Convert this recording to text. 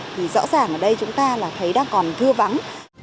thì rõ ràng ở đây chúng ta là thấy đang còn thưa vắng